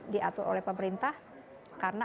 diatur oleh pemerintah karena